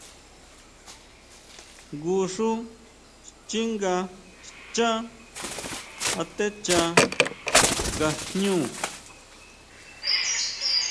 Jngu xú xchínga xchá atechá nga jñú.